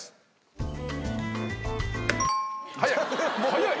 早い！